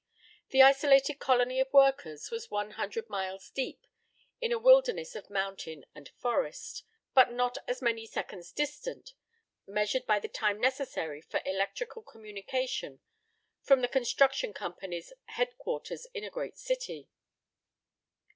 The isolated colony of workers was one hundred miles deep in a wilderness of mountain and forest, but not as many seconds distant, measured by the time necessary for electrical communication from the construction company's headquarters in a great city.